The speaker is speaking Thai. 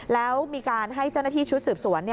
แล้วมีการให้เจ้าหน้าที่ชุดสืบสวน